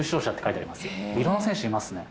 いろんな選手いますね。